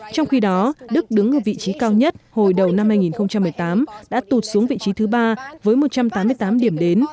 trong khi đó đức đứng ở vị trí cao nhất hồi đầu năm hai nghìn một mươi tám đã tụt xuống vị trí thứ ba với một trăm tám mươi tám điểm đến